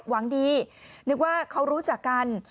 หวังดีนึกว่าเขารู้จักกัน